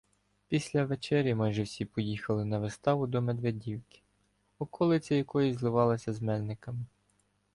Після вечері майже всі поїхали на виставу до Медведівки, околиця якої зливалася з Мельниками.